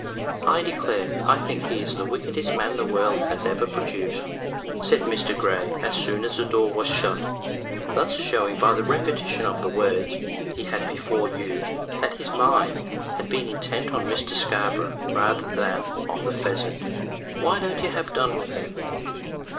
"I declare I think he is the wickedest man the world has ever produced," said Mr. Grey as soon as the door was shut, thus showing by the repetition of the words he had before used that his mind had been intent on Mr. Scarborough rather than on the pheasant. "Why don't you have done with them?"